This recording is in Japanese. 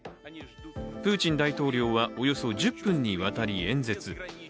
プーチン大統領はおよそ１０分にわたり演説。